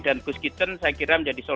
dan gus gitten saya kira menjadi ya